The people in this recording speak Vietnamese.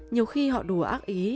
nhiều khi họ đùa ác ý